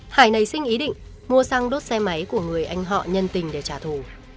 hải nảy sinh ý định mua xăng đốt xe máy của người anh họ nhân tình để trả thù